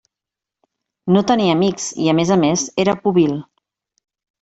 No tenia amics i, a més a més, era pobil.